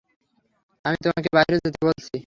আমি তোমাকে বাহিরে যেতে বলছি।